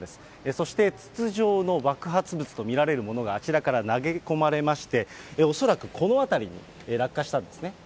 そして筒状の爆発物と見られるものがあちらから投げ込まれまして、恐らくこの辺りに落下したんですね。